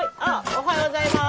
おはようございます。